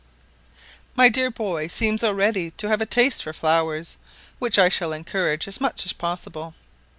My dear boy seems already to have a taste for flowers, which I shall encourage as much as possible.